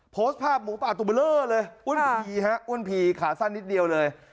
โพสต์ภาพหมูป่าตัวเลอร์เลยอ้วนพีฮะอ้วนพีขาสั้นนิดเดียวเลย